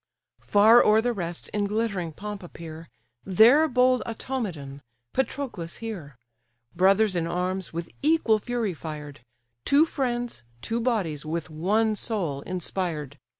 Far o'er the rest in glittering pomp appear, There bold Automedon, Patroclus here; Brothers in arms, with equal fury fired; Two friends, two bodies with one soul inspired.